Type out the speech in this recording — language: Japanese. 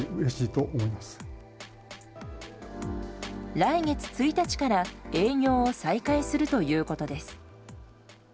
来月１日から営業を再開するということです。